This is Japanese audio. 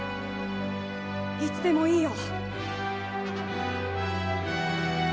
いつでもいいよ。